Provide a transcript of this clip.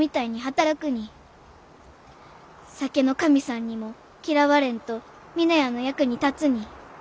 酒の神さんにも嫌われんと峰屋の役に立つに。